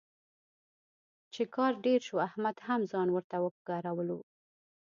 چې کار ډېر شو، احمد هم ځان ورته وګرولو.